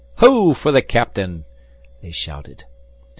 "Ho for the captain!" they shouted.